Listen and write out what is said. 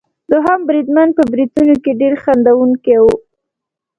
دوهم بریدمن په بریتونو کې ډېر خندوونکی وو.